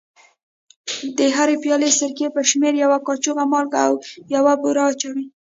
د هرې پیالې سرکې پر شمېر یوه کاشوغه مالګه او یوه بوره اچوي.